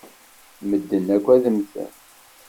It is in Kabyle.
Medden akk ad mmten.